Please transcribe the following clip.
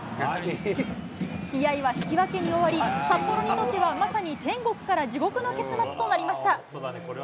試合は引き分けに終わり、札幌にとっては、まさに天国から地獄の結末となりました。